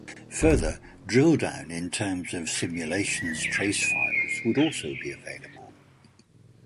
Further, drill down in terms of simulations trace files would also be available.